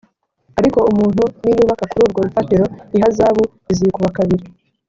ariko umuntu niyubaka kuri urwo rufatiro ihazabu izikuba kabiri